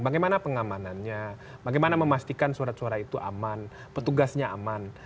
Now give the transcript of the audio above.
bagaimana pengamanannya bagaimana memastikan surat suara itu aman petugasnya aman